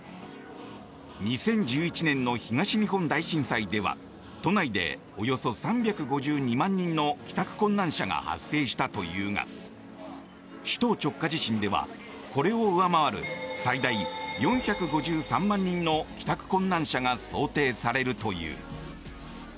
２０１１年の東日本大震災では都内でおよそ３５２万人の帰宅困難者が発生したというが首都直下地震ではこれを上回る、最大４５３万人の帰宅困難者が想定されるという。